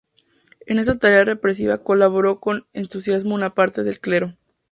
En esta tarea represiva colaboró con entusiasmo una parte del clero.